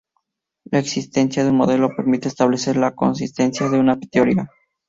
La existencia de un modelo permite establecer la consistencia de una teoría.